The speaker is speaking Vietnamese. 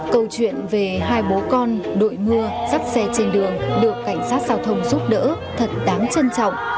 câu chuyện về hai bố con đội mưa dắt xe trên đường được cảnh sát giao thông giúp đỡ thật đáng trân trọng